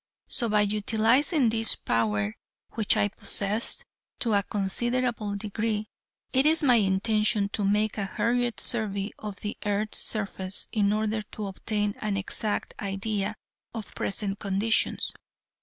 So by utilizing this power, which I possess to a considerable degree, it is my intention to make a hurried survey of the earth's surface in order to obtain an exact idea of present conditions.